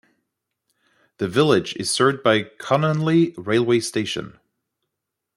The village is served by Cononley railway station.